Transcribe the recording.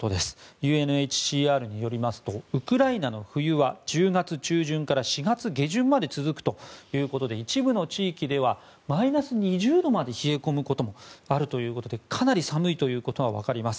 ＵＮＨＣＲによりますとウクライナの冬は１０月中旬から４月下旬まで続くということで一部の地域ではマイナス２０度まで冷え込むこともあるということでかなり寒いということは分かります。